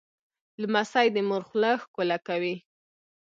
لمسی د مور خوله ښکوله کوي.